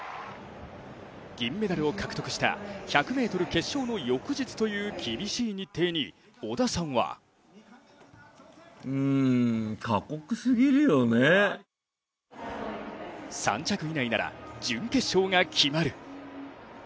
銀メダルを獲得した１００ｍ決勝の翌日という厳しい日程に織田さんは３着以内なら準決勝が決まる。